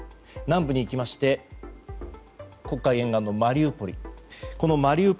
南部に行きまして黒海沿岸のマリウポリ。